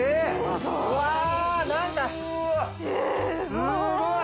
すごい！